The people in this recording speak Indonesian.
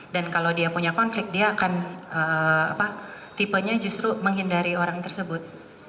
dan kalau dia punya konflik dia akan tipenya justru menghindari orang tersebut